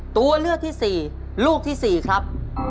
ตัวเลือกที่สี่ลูกที่สี่ครับ